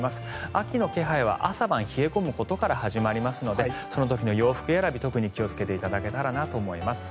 秋の気配は朝晩冷え込むことから始まりますのでその時の洋服選び特に気をつけていただけたらと思います。